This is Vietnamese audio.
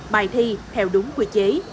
bài thi theo đúng quy chế